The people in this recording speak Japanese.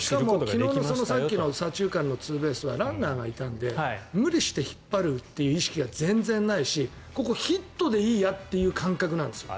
しかも昨日の左中間のツーベースはランナーがいるんで無理して引っ張るという意識が全然ないしヒットでいいやという感覚なんです。